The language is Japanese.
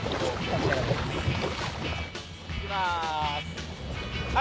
行きます。